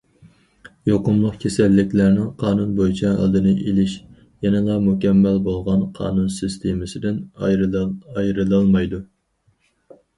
يۇقۇملۇق كېسەللىكلەرنىڭ قانۇن بويىچە ئالدىنى ئېلىش يەنىلا مۇكەممەل بولغان قانۇن سىستېمىسىدىن ئايرىلالمايدۇ.